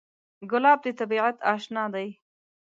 ګلاب د طبیعت اشنا دی.